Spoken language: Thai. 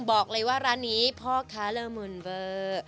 บอกเลยว่าร้านนี้พ่อคาละมนต์เบอร์